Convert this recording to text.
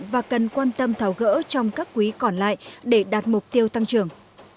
và cần quan tâm thảo gỡ trong các quý còn lại để đạt mục tiêu tăng trưởng